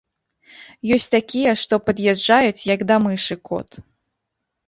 Ёсць такія, што пад'язджаюць, як да мышы кот.